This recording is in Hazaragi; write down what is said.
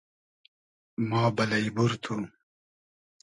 ما بئلݷ بور تو